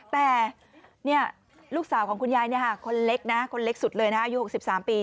แต่ลูกสาวของคุณยายคนเล็กนะคนเล็กสุดเลยนะอายุ๖๓ปี